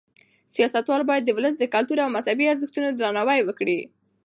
سیاستوال باید د ولس د کلتور او مذهبي ارزښتونو درناوی وکړي.